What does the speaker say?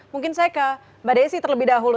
mungkin saya ke mbak desi terlebih dahulu